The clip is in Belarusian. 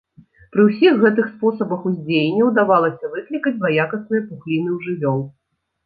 Пры ўсіх гэтых спосабах ўздзеяння ўдавалася выклікаць злаякасныя пухліны ў жывёл.